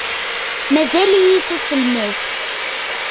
Mazal-iyi d taselmadt.